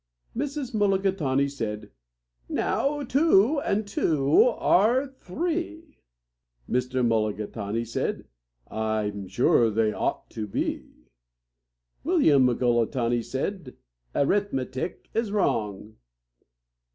Mrs. Mulligatawny said, "Now two and two are three." Mr. Mulligatawny said, "I'm sure they ought to be." William Mulligatawny said, "Arithmetic is wrong."